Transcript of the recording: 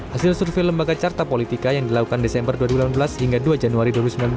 hasil survei lembaga carta politika yang dilakukan desember dua ribu delapan belas hingga dua januari dua ribu sembilan belas